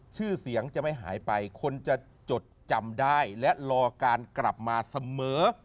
ชื่อเสียงจะไม่หายไปคนจะจดจำได้และรอการกลับมาเสมอ